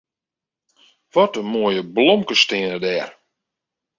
Wat in moaie blomkes steane dêr.